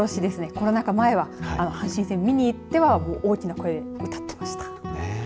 コロナ禍前は阪神戦を見にいっては大きな声で歌ってました。